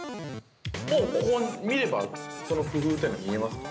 もうここを見れば、その工夫というのは見えますか。